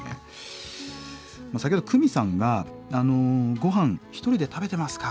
先ほどクミさんが「ごはん一人で食べてますか？」。